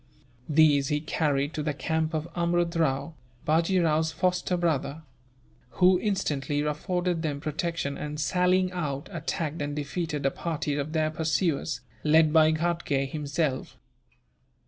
These he carried to the camp of Amrud Rao, Bajee Rao's foster brother; who instantly afforded them protection and, sallying out, attacked and defeated a party of their pursuers, led by Ghatgay himself.